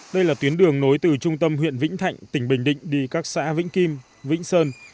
đây là tuyến đường nối từ trung tâm huyện vĩnh thạnh tỉnh bình định đi các xã vĩnh kim vĩnh sơn